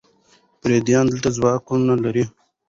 پردیان دلته ځواکونه لري.